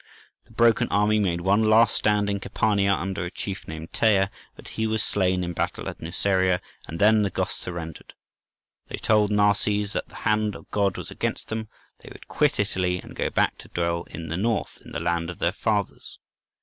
The broken army made one last stand in Campania, under a chief named Teia; but he was slain in battle at Nuceria, and then the Goths surrendered. They told Narses that the hand of God was against them; they would quit Italy, and go back to dwell in the north, in the land of their fathers.